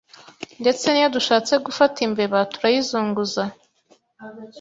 Ndetse n'iyo dushatse gufata imbeba, turayizunguza,